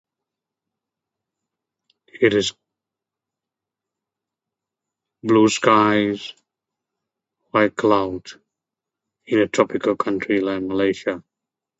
It is blue sky white cloud in a tropical country like malaysia..